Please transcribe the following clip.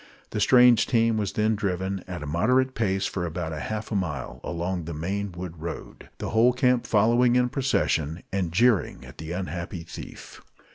The strange team was then driven, at a moderate pace, for about half a mile along the main wood road, the whole camp following in procession, and jeering at the unhappy thief.